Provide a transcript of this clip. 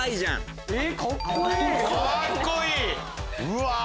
うわ！